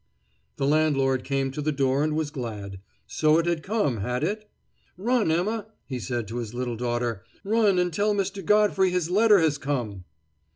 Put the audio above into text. The landlord came to the door and was glad. So it had come, had it? "Run, Emma," he said to his little daughter, "run and tell Mr. Godfrey his letter has come."